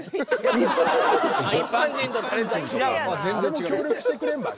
誰も協力してくれんばい。